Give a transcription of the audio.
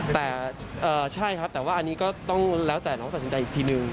แต่ใช่ครับแต่ว่าอันนี้ก็ต้องแล้วแต่น้องตัดสินใจอีกทีนึง